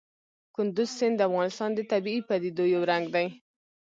کندز سیند د افغانستان د طبیعي پدیدو یو رنګ دی.